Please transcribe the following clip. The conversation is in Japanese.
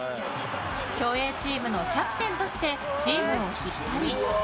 競泳チームのキャプテンとしてチームを引っ張り